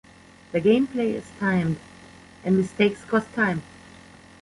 The gameplay is timed, and mistakes cost time.